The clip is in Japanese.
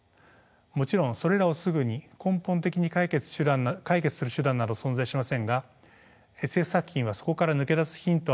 もちろんそれらをすぐに根本的に解決する手段など存在しませんがＳＦ作品はそこから抜け出すヒントを与えてくれると思います。